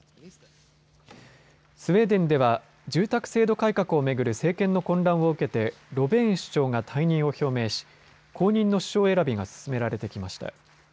スウェーデンでは住宅制度改革を巡る政権の混乱を受けてロベーン首相が退任を表明し後任の首相選びが進められてきました。